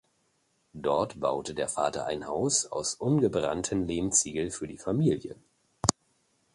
Dort baute der Vater ein Haus aus ungebrannten Lehmziegeln für die Familie.